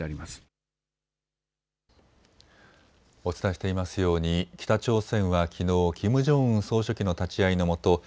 お伝えしていますように北朝鮮はきのうキム・ジョンウン総書記の立ち会いのもと